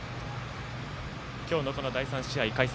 今日の第３試合、解説